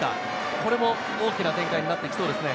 これも大きな展開になっていきそうですね。